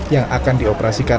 yang akan dioperasikan